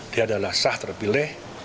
dia adalah sah terpilih